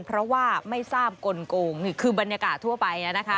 เพราะว่าไม่ทราบกลงนี่คือบรรยากาศทั่วไป